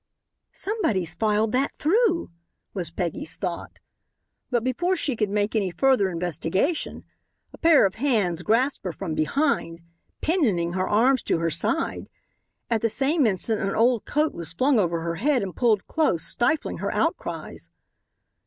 "Somebody's filed that through," was Peggy's thought. But before she could make any further investigation a pair of hands grasped her from behind, pinioning her arms to her side. At the same instant an old coat was flung over her head and pulled close, stifling her outcries.